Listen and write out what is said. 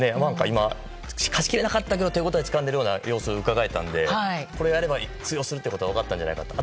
今、勝ちきれなかったけど手応えをつかんでいるような様子がうかがえたのでこれをやれば通用すると分かったんじゃないんですかね。